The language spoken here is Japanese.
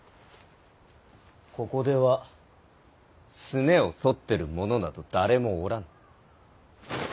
ここではすねをそってる者など誰もおらぬ。